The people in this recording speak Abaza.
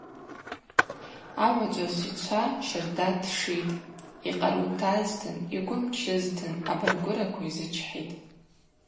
Агӏвычӏвгӏвыс йчва щарда тшитӏ, йкъару тазтын, йгвы мчызтын абаргвыраква йзычхӏитӏ.